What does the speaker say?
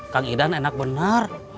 kang idan enak benar